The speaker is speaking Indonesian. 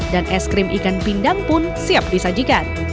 dan eskrim ikan pindang pun siap disajikan